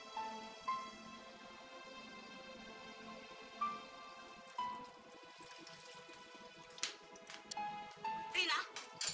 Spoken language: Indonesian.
nanti berb dan t